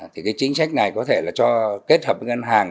thì cái chính sách này có thể là cho kết hợp với ngân hàng